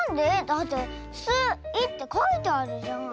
だって「ス・イ」ってかいてあるじゃん。